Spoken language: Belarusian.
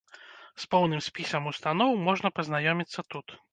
З поўным спісам устаноў можна пазнаёміцца тут.